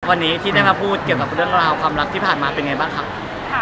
วันนี้ที่ได้มาพูดเกี่ยวกับเรื่องราวความรักที่ผ่านมาเป็นไงบ้างครับ